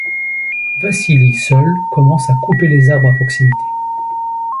Vassili seul commence à couper les arbres à proximité.